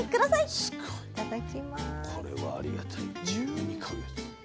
すごいこれはありがたい１２か月。